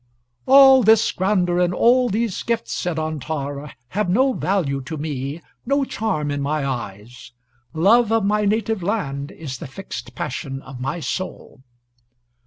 ] "All this grandeur, and all these gifts," said Antar, "have no value to me, no charm in my eyes. Love of my native land is the fixed passion of my soul."